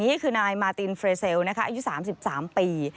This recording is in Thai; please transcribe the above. นี่คือนายมาตินเฟรเซลอายุ๓๓ปี